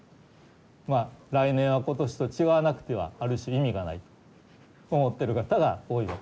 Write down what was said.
まあ来年は今年と違わなくてはある種意味がないと思ってる方が多いわけ。